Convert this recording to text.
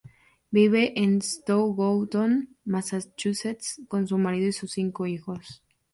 Vive en Stoughton, Massachusetts con su marido y sus cinco hijos.